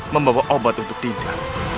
membawa obat untuk dinda